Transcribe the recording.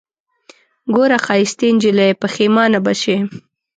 ګوره ښايستې نجلۍ پښېمانه به سې